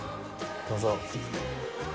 どうぞ。